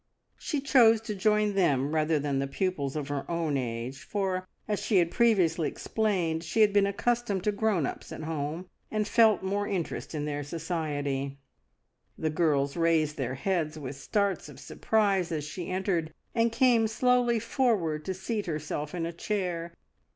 She chose to join them rather than the pupils of her own age, for, as she had previously explained, she had been accustomed to "grown ups" at home, and felt more interest in their society. The girls raised their heads with starts of surprise as she entered, and came slowly forward to seat herself in a chair.